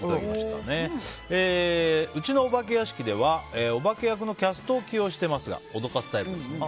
うちのお化け屋敷ではお化け役のキャストを起用していますが脅かすタイプですね。